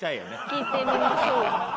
聞いてみましょうか？